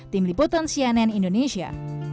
tim liputan cnn indonesia